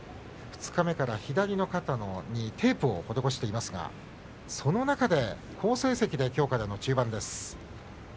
五日目から左の肩にテープを施していますがその中で好成績できょうからの中盤です。